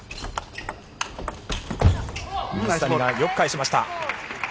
水谷がよく返しました。